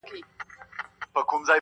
دا کیسه موږ ته را پاته له پېړیو-